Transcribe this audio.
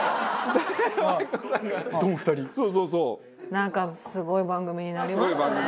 なんかすごい番組になりましたね。